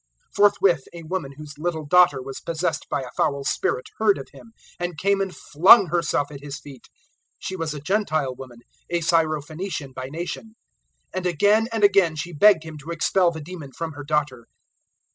007:025 Forthwith a woman whose little daughter was possessed by a foul spirit heard of Him, and came and flung herself at His feet. 007:026 She was a Gentile woman, a Syro phoenician by nation: and again and again she begged Him to expel the demon from her daughter.